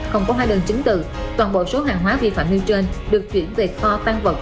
không có hóa đơn chứng từ toàn bộ số hàng hóa vi phạm nêu trên được chuyển về kho tăng vật